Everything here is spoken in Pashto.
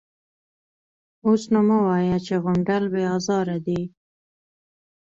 _اوس نو مه وايه چې غونډل بې ازاره دی.